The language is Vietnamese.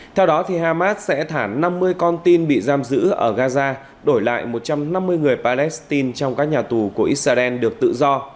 theo đó hamas sẽ thả năm mươi con tin bị giam giữ ở gaza đổi lại một trăm năm mươi người palestine trong các nhà tù của israel được tự do